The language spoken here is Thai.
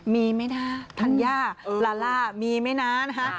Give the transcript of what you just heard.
มีเมฎ้าทันกล้าลาล่ามีเมเณอะนะฮะ